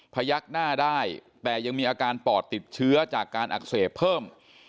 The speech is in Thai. ยักหน้าได้แต่ยังมีอาการปอดติดเชื้อจากการอักเสบเพิ่ม